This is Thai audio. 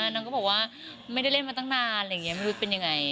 นางก็บอกว่าไม่ได้เล่นมาตั้งนานอะไรอย่างนี้ไม่รู้เป็นยังไง